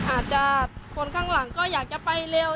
อาจจะคนข้างหลังก็อยากจะไปเร็ว